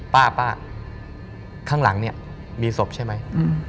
ป้าป้าข้างหลังเนี่ยมีศพใช่ไหม